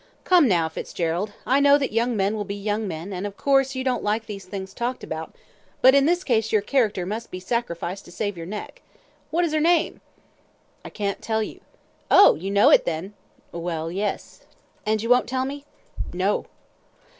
"Come now, Fitzgerald, I know that young men will be young men, and, of course, you don't like these things talked about; but in this case your character must be sacrificed to save your neck. What is her name?" "I can't tell you." "Oh! you know it, then?" "Well, yes." "And you won't tell me?" "No!"